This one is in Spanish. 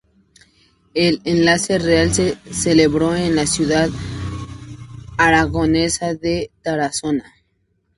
El enlace real se celebró en la ciudad aragonesa de Tarazona.